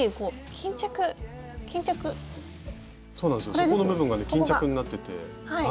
そこの部分がね巾着になってて。